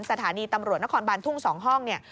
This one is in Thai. สถานีตำรวจนครบานทุ่ง๒ห้องเนี่ย